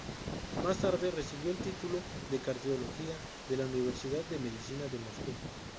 Más tarde recibió el título de cardiología de la Universidad de Medicina de Moscú.